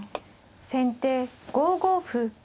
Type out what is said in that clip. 先手５五歩。